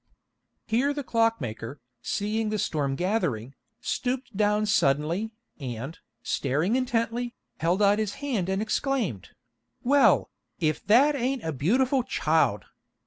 Here the Clockmaker, seeing the storm gathering, stooped down suddenly, and, staring intently, held out his hand and exclaimed: "Well, if that ain't a beautiful child!